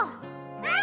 うん！